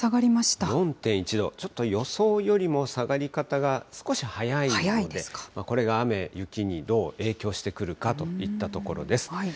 ４．１度、ちょっと予想よりも下がり方が少し早いので、これが雨、雪にどう影響してくるかといったところです。